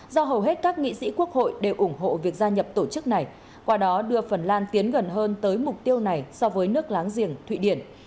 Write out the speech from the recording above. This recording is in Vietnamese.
do hầu hết các nghị sĩ quốc hội đều ủng hộ việc gia nhập tổ chức này qua đó đưa phần lan tiến gần hơn tới mục tiêu này so với nước láng giềng thụy điển